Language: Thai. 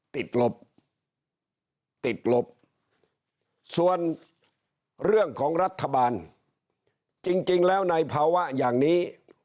ติดลบติดลบส่วนเรื่องของรัฐบาลจริงแล้วในภาวะอย่างนี้